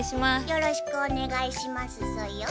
よろしくおねがいしますソヨ。